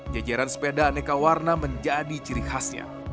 jajaran sepeda aneka warna menjadi ciri khasnya